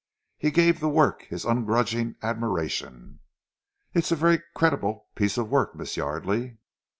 He gave the work his ungrudging admiration. "It is a very creditable piece of work, Miss Yardely."